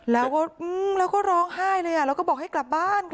แล้วก็ร้องไห้เลยแล้วก็บอกให้กลับบ้าน